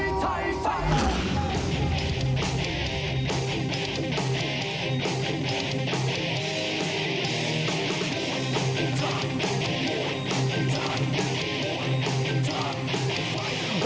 ฟ้าฟ้าฟ้าฟ้า